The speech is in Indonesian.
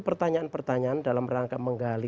pertanyaan pertanyaan dalam rangka menggali